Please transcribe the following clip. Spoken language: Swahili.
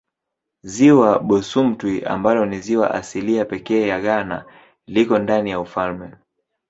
Ziwa Bosumtwi ambalo ni ziwa asilia pekee ya Ghana liko ndani ya ufalme.